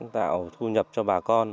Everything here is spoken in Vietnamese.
tạo thu nhập cho bà con